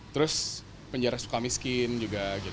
terus penjara suka miskin juga